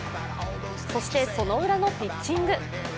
そして、そのウラのピッチング。